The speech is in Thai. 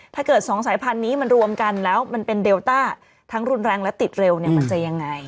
ถ้าเกิดสองสายพันธุ์นี้มันรวมกันแล้วมันเป็นเดลต้าทั้งรุนแรงและติดเร็วเนี่ยมันจะยังไง